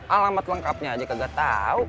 alamat lengkapnya aja kagak tau